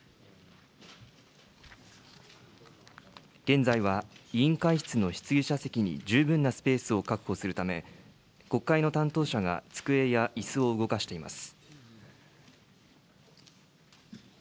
現在は委員会室の質疑者席に十分なスペースを確保するため、国会の担当者が机やいすを動かしています。